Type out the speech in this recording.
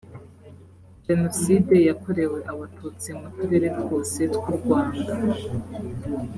jenoside yakorewe abatutsi mu turere twose tw’u rwanda